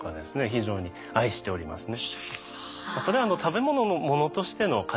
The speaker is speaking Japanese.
非常に愛しておりますね。